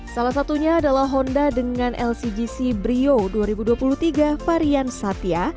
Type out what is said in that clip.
salah satunya adalah honda dengan lcgc brio dua ribu dua puluh tiga varian satya